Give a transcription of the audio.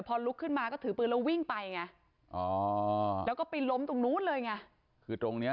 ตอนนี้กำลังจะโดดเนี่ยตอนนี้กำลังจะโดดเนี่ย